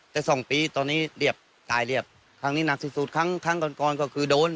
แต่สองปีตอนนี้เรียบตายเรียบครั้งนี้หนักที่สุดครั้งครั้งก่อนก่อนก็คือโดน